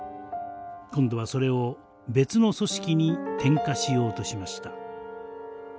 今度はそれを別の組織に転嫁しようとしました。